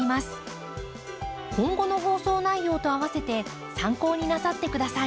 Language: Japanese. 今後の放送内容と併せて参考になさってください。